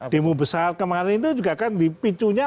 demo besar kemarin itu juga kan dipicunya